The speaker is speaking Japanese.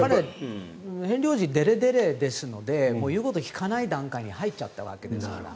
ヘンリー王子デレデレですので言うことを聞かない段階に入っちゃったわけですから。